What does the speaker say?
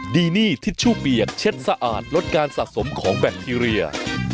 ดีนี่ทิชชู่เปียกเช็ดสะอาดลดการสะสมของแบคทีเรีย